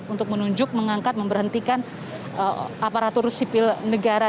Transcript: untuk menunjuk mengangkat memberhentikan aparatur sipil negara